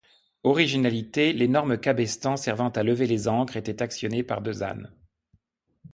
Originalité, l'énorme cabestan servant à lever les ancres était actionné par deux ânes.